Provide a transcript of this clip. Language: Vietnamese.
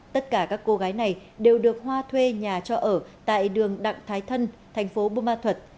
tất cả các cô gái này đều được hoa thuê nhà cho ở tại đường đặng thái thân thành phố bù ma thuật